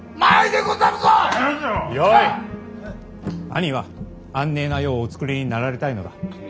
兄は安寧な世をおつくりになられたいのだ。